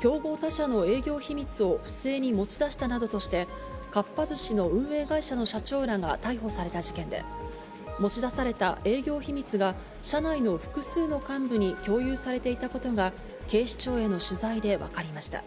競合他社の営業秘密を不正に持ち出したなどとして、かっぱ寿司の運営会社の社長らが逮捕された事件で、持ち出された営業秘密が社内の複数の幹部に共有されていたことが、警視庁への取材で分かりました。